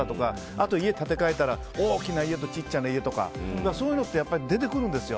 あと家を建て替えたら大きな家と小さな家とかそういうのって出てくるんですよ。